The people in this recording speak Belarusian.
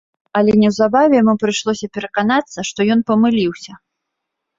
Але неўзабаве яму прыйшлося пераканацца, што ён памыліўся.